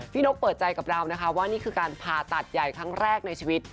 นกเปิดใจกับเรานะคะว่านี่คือการผ่าตัดใหญ่ครั้งแรกในชีวิต